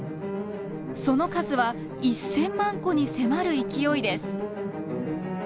その数は１，０００万戸に迫る勢いです。